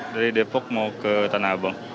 dari depok mau ke tanah abang